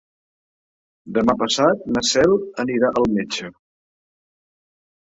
Demà passat na Cel anirà al metge.